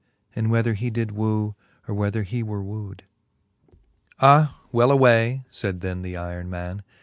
And whether he did woo, or whether he were woo'd* XVI. ^h well away ! faid then the yron man.